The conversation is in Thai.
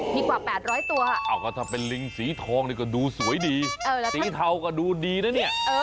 มีกว่า๘๐๐ตัวก็ถ้าเป็นลิงสีทองนี่ก็ดูสวยดีสีเทาก็ดูดีนะเนี่ย